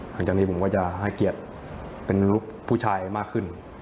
หลังจากนี้ผมก็จะให้เกียรติเป็นลูกผู้ชายมากขึ้น